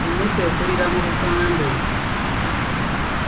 Emmese ekulira mu lukande.